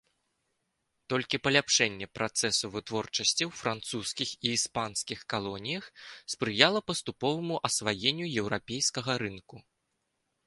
Толькі паляпшэнне працэсу вытворчасці ў французскіх і іспанскіх калоніях спрыяла паступоваму асваенню еўрапейскага рынку.